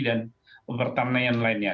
dan pertanian lainnya